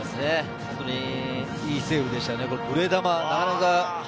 本当に、いいセーブでしたね。